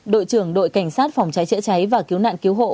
đội trưởng đội cảnh sát phòng cháy chữa cháy và cứu nạn cứu hộ